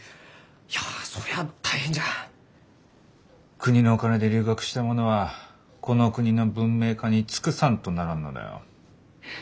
国のお金で留学した者はこの国の文明化に尽くさんとならんのだよ。